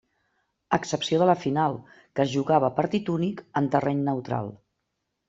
A excepció de la final, que es jugava a partit únic en terreny neutral.